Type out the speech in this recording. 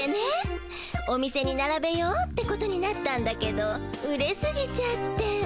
お店にならべようってことになったんだけど売れすぎちゃって。